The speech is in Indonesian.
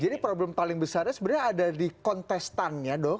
jadi problem paling besarnya sebenarnya ada di kontestannya